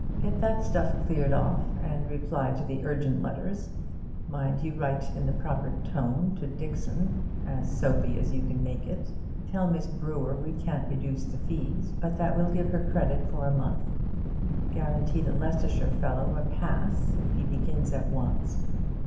Get that stuff cleared off, and reply to the urgent letters mind you write in the proper tone to Dixon as soapy as you can make it. Tell Miss Brewer we can't reduce the fees, but that we'll give her credit for a month. Guarantee the Leicestershire fellow a pass if he begins at once.'